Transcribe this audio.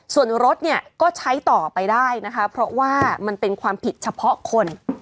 ส่วนรถเนี่ยก็ใช้ต่อไปได้นะคะเพราะว่ามันเป็นความผิดเฉพาะคน